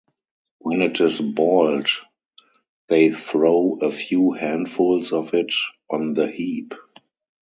When it is boiled, they throw a few handfuls of it on the heap.